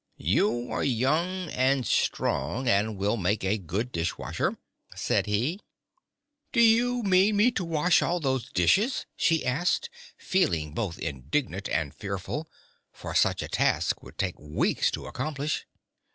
"You are young and strong, and will make a good dishwasher," said he. "Do you mean me to wash all those dishes?" she asked, feeling both indignant and fearful, for such a task would take weeks to accomplish.